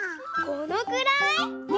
このくらい！